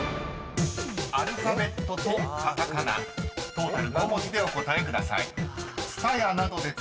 ［アルファベットとカタカナトータル５文字でお答えください］